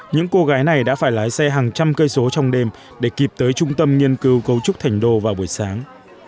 những cô gái này đã phải lái xe hàng trăm cây số trong đêm để kịp tới trung tâm nghiên cứu cấu trúc thành đô vào buổi sáng